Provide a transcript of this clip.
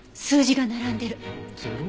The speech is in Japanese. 数字が並んでる。